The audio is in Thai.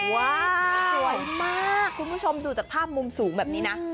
สวยมากคุณผู้ชมดูจากภาพมุมสูงแบบนี้นะ